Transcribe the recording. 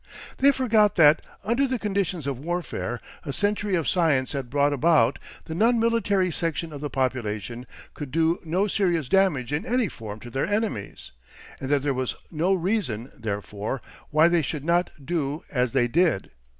They forgot that, under the conditions of warfare a century of science had brought about, the non military section of the population could do no serious damage in any form to their enemies, and that there was no reason, therefore, why they should not do as they did.